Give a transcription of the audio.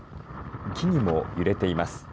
木々も揺れています。